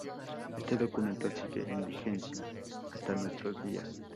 Este documento sigue en vigencia hasta nuestros días.